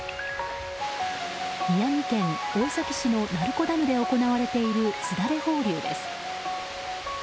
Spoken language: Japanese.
宮城県大崎市の鳴子ダムで行われているすだれ放流です。